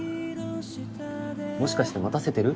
もしかして待たせてる？